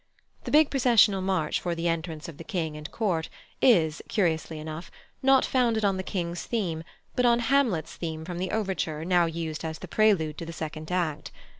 The big processional march for the entrance of the King and Court is, curiously enough, not founded on the King's theme, but on Hamlet's theme from the overture now used as the prelude to the second act.